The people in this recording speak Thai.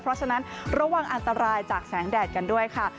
เพราะฉะนั้นระวังอันตรายจากแสงแดดกันด้วยค่ะ